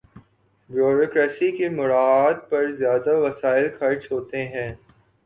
Bureaucracy کی مراعات پر زیادہ وسائل خرچ ہوتے ہیں۔